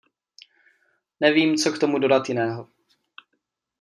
Nevím, co k tomu dodat jiného.